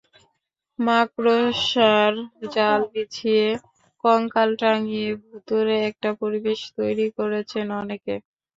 মাকড়সার জাল বিছিয়ে, কঙ্কাল টাঙ্গিয়ে ভুতুড়ে একটা পরিবেশ তৈরি করেছেন অনেকে।